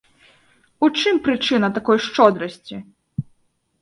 У чым прычына такой шчодрасці?